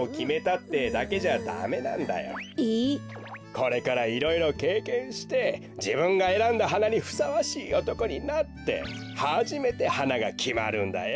これからいろいろけいけんしてじぶんがえらんだはなにふさわしいおとこになってはじめてはながきまるんだよ。